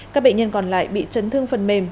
các bệnh nhân còn lại bị chấn thương phần mềm